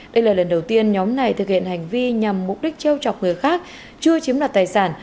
đây là lần đầu tiên nhóm này thực hiện hành vi nhằm mục đích chiêu chọc người khác chưa chiếm đoạt tài sản